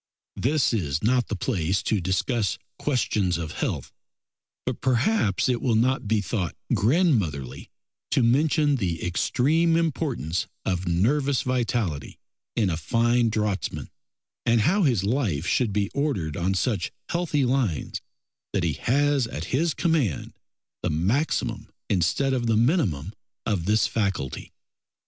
This is not the place to discuss questions of health, but perhaps it will not be thought grandmotherly to mention the extreme importance of nervous vitality in a fine draughtsman, and how his life should be ordered on such healthy lines that he has at his command the maximum instead of the minimum of this faculty.